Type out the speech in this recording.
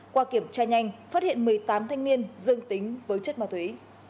qua kiểm tra nhanh phát hiện một mươi tám thanh niên dương tính với chất ma túy